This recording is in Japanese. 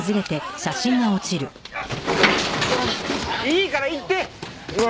いいから行って！